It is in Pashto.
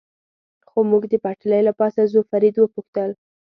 خو موږ د پټلۍ له پاسه ځو، فرید و پوښتل.